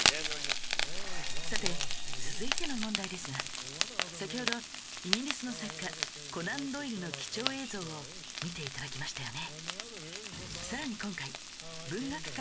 さて続いての問題ですが先ほどイギリスの作家コナン・ドイルの貴重映像を見て頂きましたよね